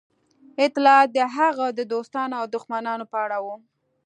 اطلاعات د هغه د دوستانو او دښمنانو په اړه وو